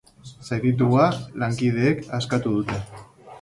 Zauritua lankideek askatu dute.